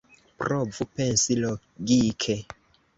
Provu pensi logike.